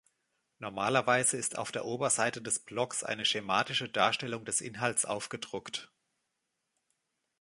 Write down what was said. Normalerweise ist auf der Oberseite des Blocks eine schematische Darstellung des Inhalts aufgedruckt.